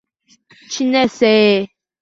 Chinese